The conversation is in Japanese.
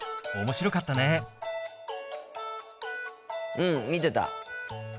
うん見てた。